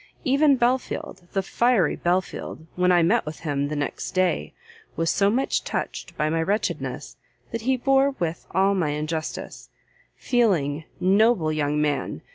even Belfield, the fiery Belfield, when I met with him the next day, was so much touched by my wretchedness, that he bore with all my injustice; feeling, noble young man!